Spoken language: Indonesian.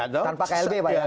tanpa klb pak